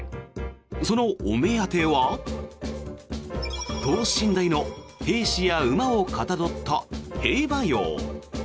そのお目当ては等身大の兵士や馬をかたどった兵馬俑。